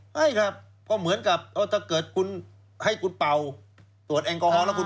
ให้ครับก็เหมือนกับถ้าเกิดคุณให้คุณเป่าตรวจแอลกอฮอลแล้วคุณ